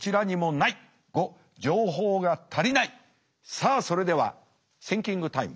さあそれではシンキングタイム。